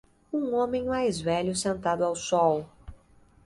Um homem mais velho sentado ao sol.